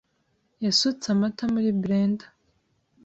yasutse amata muri blender.